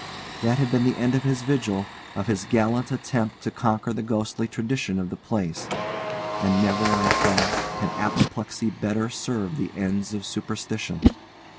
That had been the end of his vigil, of his gallant attempt to conquer the ghostly tradition of the place, and never, I thought, had apoplexy better served the ends of superstition.